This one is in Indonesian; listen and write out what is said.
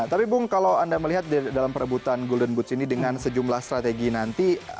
tapi bung kalau anda melihat dalam perebutan golden boots ini dengan sejumlah strategi nanti